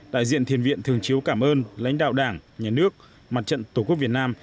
đại diện thiền viện thường chiếu cảm ơn lãnh đạo đảng nhà nước mặt trận tổ quốc việt nam